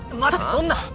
そんな。